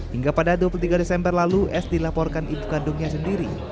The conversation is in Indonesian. hingga pada dua puluh tiga desember lalu s dilaporkan ibu kandungnya sendiri